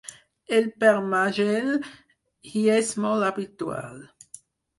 El permagel hi és molt habitual.